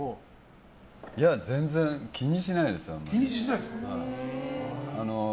全然、気にしないですよ。